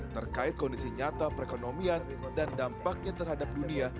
terkait kondisi nyata perekonomian dan dampaknya terhadap dunia